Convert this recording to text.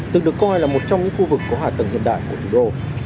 tự được coi là một trong những khu vực có hải tầng hiện đại của thủ đô